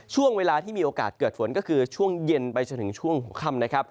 ช่วงเวลาที่มีโอกาสเกิดฝนก็คือช่วงเย็นไปจนถึงช่วงหัวค่ำนะครับ